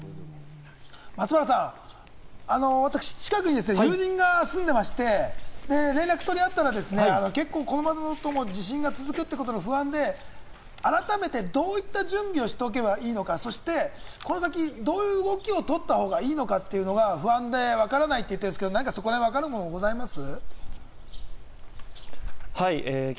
松原さん、私、近くに友人が住んでまして、連絡を取り合ったらですね、結構、この後も地震が続くっていうことの不安で、改めてどういった準備をしておけばいいのか、そしてこの先、どういう動きを取ったほうがいいのかっていうのが不安でわからないって言ってるんですけど、ここらへん分かるものはあります？